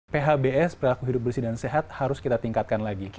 phbs perilaku hidup bersih dan sehat harus kita tingkatkan lagi